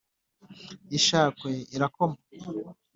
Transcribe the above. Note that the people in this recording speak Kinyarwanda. ishakwe irakoma,